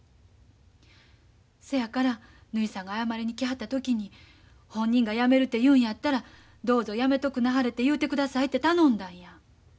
そやからぬひさんが謝りに来はった時に本人がやめるて言うんやったらどうぞやめとくなはれて言うてくださいて頼んだんや。